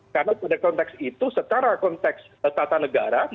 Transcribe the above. karena pada konteks itu secara konteks tata negara